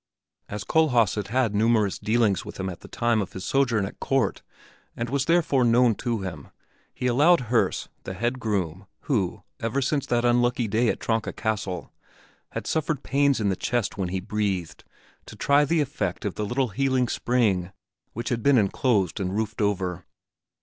As Kohlhaas had had numerous dealings with him at the time of his sojourn at Court and was therefore known to him, he allowed Herse, the head groom, who, ever since that unlucky day in Tronka Castle, had suffered pains in the chest when he breathed, to try the effect of the little healing spring, which had been inclosed and roofed over.